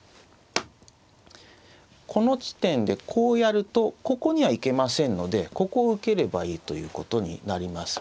この地点でこうやるとここには行けませんのでここを受ければいいということになります。